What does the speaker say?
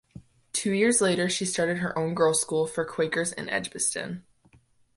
Two years later she started her own girls school for Quakers in Edgbaston.